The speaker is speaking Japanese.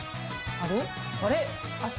あれ？